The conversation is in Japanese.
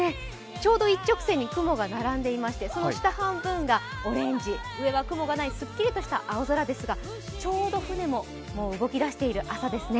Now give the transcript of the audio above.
ちょうど一直線に雲が並んでいまして、その下半分はオレンジ上は雲がないすっきりとした青空ですがちょうど船も動き出している朝ですね。